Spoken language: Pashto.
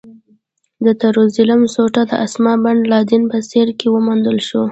د ترورېزم سوټه د اسامه بن لادن په څېره کې وموندل شوه.